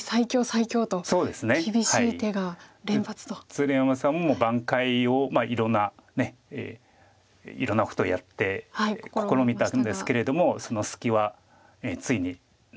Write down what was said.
鶴山さんも挽回をいろんないろんなことやって試みたんですけれどもその隙はついになかったです。